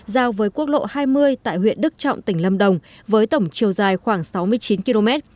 giao với quốc lộ hai mươi tại huyện đức trọng tỉnh lâm đồng với tổng chiều dài khoảng sáu mươi chín km